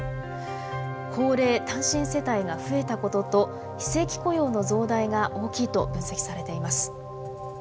高齢単身世帯が増えたことと非正規雇用の増大が大きいと分析されています。